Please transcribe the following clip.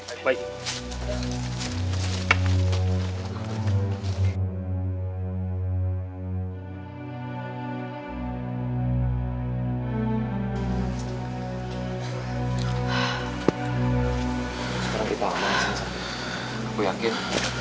sekarang kita aman sakti aku yakin